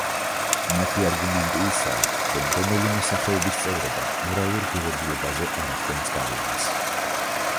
მათი არგუმენტი ისაა, რომ რომელიმე სახეობის წევრობა მორალურ ღირებულებაზე არ ახდენს გავლენას.